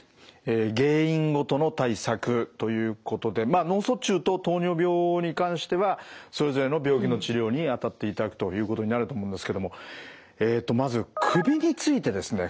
え原因ごとの対策ということでまあ脳卒中と糖尿病に関してはそれぞれの病気の治療にあたっていただくということになると思うんですけどもえっとまず首についてですね。